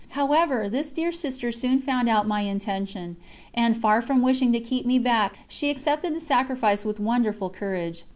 However, this dear sister soon found out my intention, and, far from wishing to keep me back, she accepted the sacrifice with wonderful courage.